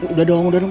udah dong udah dong